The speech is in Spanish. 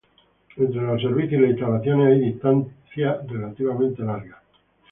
Entre los servicios y las instalaciones hay distancias relativamente largas.